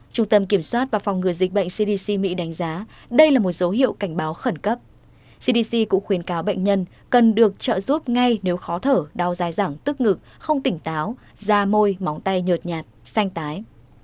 trung tâm kiểm soát và phòng ngừa dịch bệnh cdc mỹ đánh giá đây là một dấu hiệu cảnh báo khẩn cấp cdc cũng khuyến cáo bệnh nhân cần được trợ giúp ngay nếu khó thở đau dài dẳng tức ngực không tỉnh táo da môi tay nhột nhạt xanh tái